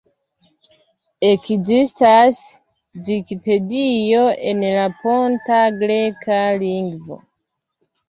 Ekzistas Vikipedio en la ponta greka lingvo.